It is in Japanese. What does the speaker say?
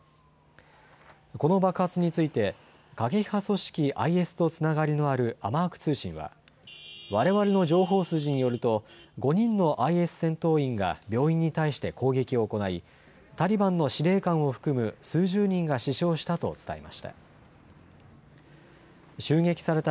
この爆発について、過激派組織ＩＳとつながりのあるアマーク通信は、われわれの情報筋によると、５人のＩＳ戦闘員が病院に対して攻撃を行い、タリバンの司令官を含む数十人が死傷したと伝えました。